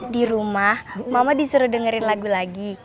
di rumah mama disuruh dengerin lagu lagi